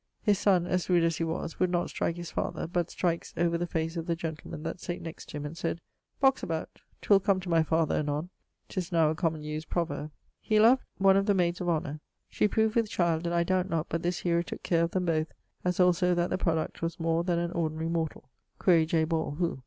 His son, as rude as he was, would not strike his father, but strikes over the face the gentleman that sate next to him and sayd 'Box about: 'twill come to my father anon.' 'Tis now a common used proverb. He loved ... one of the mayds of honor[LXXI.].... She proved with child and I doubt not but this hero tooke care of them both, as also that the product was more then an ordinary mortall. [LXXI.] Quaere J. Ball, who?